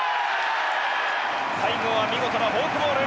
最後は見事なフォークボール。